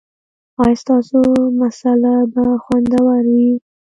ایا ستاسو مصاله به خوندوره وي؟